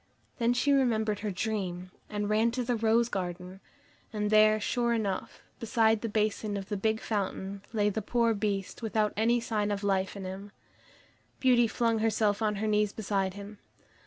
Then she remembered her dream, and ran to the rose garden, and there, sure enough, beside the basin of the big fountain, lay the poor Beast without any sign of life in him. Beauty flung herself on her knees beside him.